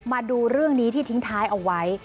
มาดูเรื่องนี้ที่ทิ้งท้ายเอาไว้